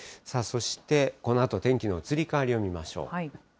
そして、このあと天気の移り変わりを見ましょう。